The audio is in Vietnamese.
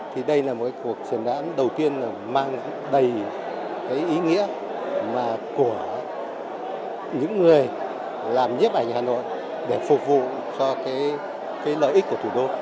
thì đây là một cuộc triển lãm đầu tiên mang đầy ý nghĩa của những người làm nhiếp ảnh hà nội để phục vụ cho cái lợi ích của thủ đô